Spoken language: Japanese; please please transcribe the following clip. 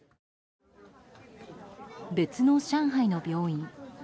別の上海の病院。